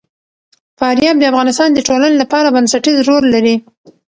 فاریاب د افغانستان د ټولنې لپاره بنسټيز رول لري.